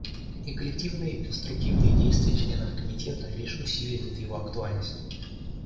И коллективные и конструктивные действия членов Комитета лишь усиливают его актуальность.